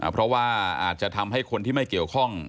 เพราะว่าอาจจะทำให้คนที่ไม่เกี่ยวข้อง